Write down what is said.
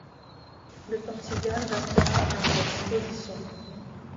Le Portugal restera à ma disposition.